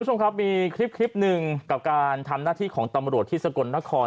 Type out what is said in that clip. คุณผู้ชมครับมีคลิปหนึ่งกับการทำหน้าที่ของตำรวจที่สกลนคร